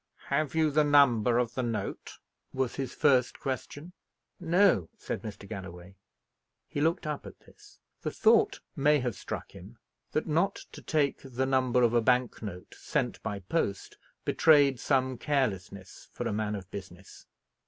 "Have you the number of the note?" was his first question. "No," said Mr. Galloway. He looked up at this. The thought may have struck him, that, not to take the number of a bank note, sent by post, betrayed some carelessness for a man of business.